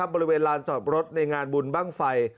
บริเวณลานจอดรถในงานบุญบ้างไฟ